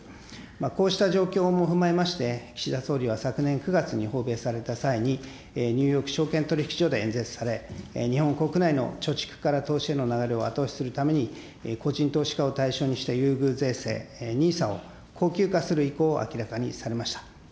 こうした状況も踏まえまして、岸田総理は昨年９月に訪米された際に、ニューヨーク証券取引所で演説され、日本国内の貯蓄から投資への流れを後押しするために、個人投資家を対象にした優遇税制、ＮＩＳＡを恒久化する意向を明らかにされました。